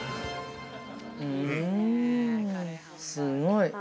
◆すごい。